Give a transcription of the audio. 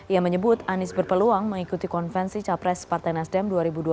ia menyebut anies berpeluang mengikuti konvensi capres partai nasdem dua ribu dua puluh